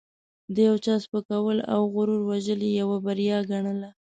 د یو چا سپکول او غرور وژل یې یوه بریا ګڼله.